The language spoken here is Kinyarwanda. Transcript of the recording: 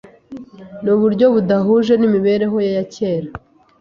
ni uburyo budahuje n'imibereho ye ya kera.